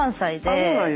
あっそうなんや。